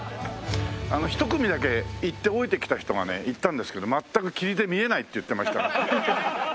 １組だけ行って下りてきた人がね言ったんですけど「全く霧で見えない」って言ってました。